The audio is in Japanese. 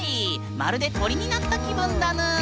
まるで鳥になった気分だぬん！